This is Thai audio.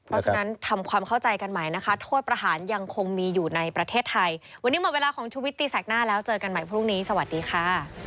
เพราะฉะนั้นทำความเข้าใจกันใหม่นะคะโทษประหารยังคงมีอยู่ในประเทศไทยวันนี้หมดเวลาของชุวิตตีแสกหน้าแล้วเจอกันใหม่พรุ่งนี้สวัสดีค่ะ